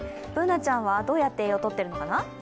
Ｂｏｏｎａちゃんはどうやって栄養とってるのかな？